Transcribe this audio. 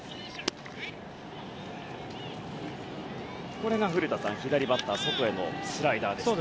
今のが古田さん、左バッターの外へのスライダーですね。